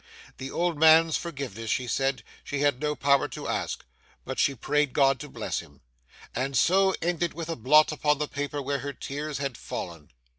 The old man's forgiveness (she said) she had no power to ask, but she prayed God to bless him,—and so ended with a blot upon the paper where her tears had fallen.